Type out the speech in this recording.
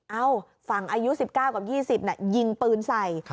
เอ้าฝั่งอายุสิบเก้ากับยี่สิบนะยิงปืนใส่